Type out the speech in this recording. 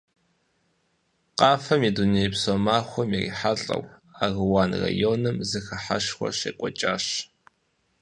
Къафэм и дунейпсо махуэм ирихьэлӀэу, Аруан районым зэхыхьэшхуэ щекӀуэкӀащ.